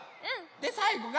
でさいごが。